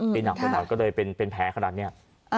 ตีหนักก็เลยเป็นแพ้ขนาดเนี้ย